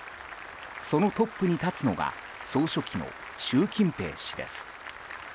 そのトップに立つのが総書記の習近平氏です。